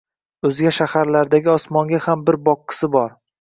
O’zga shaharlardagi osmonga ham bir boqqisi bor.